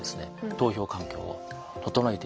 投票環境を整えていく。